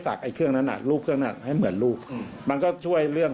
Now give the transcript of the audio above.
ไอ้เครื่องนั้นอ่ะรูปเครื่องนั้นให้เหมือนลูกอืมมันก็ช่วยเรื่อง